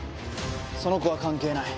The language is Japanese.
その子は関係ない。